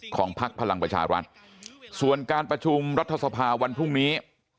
พักพลังประชารัฐส่วนการประชุมรัฐสภาวันพรุ่งนี้